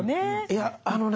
いやあのね